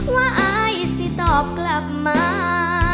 อายสิตอบกลับมา